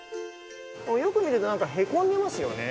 よく見るとなんかへこんでますよね。